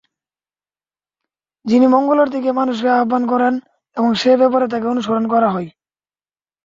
যিনি মঙ্গলের দিকে মানুষকে আহ্বান করেন এবং সে ব্যাপারে তাকে অনুসরণ করা হয়।